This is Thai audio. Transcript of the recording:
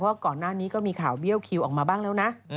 ก่อนหน้านี้ก็มีข่าวเบี้ยวคิวออกมาบ้างแล้วนะ